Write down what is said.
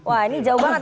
wah ini jauh banget